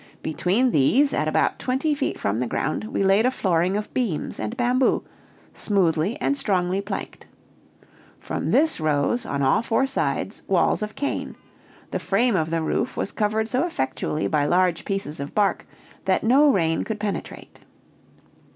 Between these, at about twenty feet from the ground, we laid a flooring of beams and bamboo, smoothly and strongly planked. From this rose, on all four sides, walls of cane; the frame of the roof was covered so effectually by large pieces of bark that no rain could penetrate.